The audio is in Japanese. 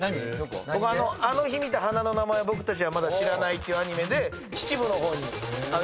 僕『あの日見た花の名前を僕達はまだ知らない。』っていうアニメで秩父の方に行ったことあるんですよ。